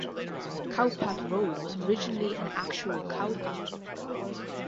Cowpath Road was originally an actual cow path.